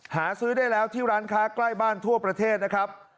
หาซื้อได้แล้วที่ร้านค้าใกล้บ้านทั่วประเทศนะครับ